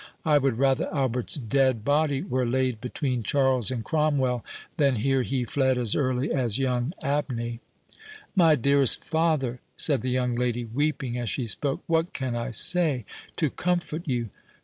I would rather Albert's dead body were laid between Charles and Cromwell, than hear he fled as early as young Abney." "My dearest father," said the young lady, weeping as she spoke, "what can I say to comfort you?"